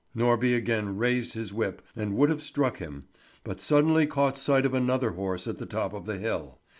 Norby again raised his whip and would have struck him, but suddenly caught sight of another horse at the top of the hill.